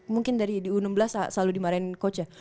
mungkin dari di u enam belas selalu dimarahin coach ya